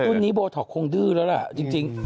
รุ่นนี้โบท็อกคงดื้อแล้วล่ะจริง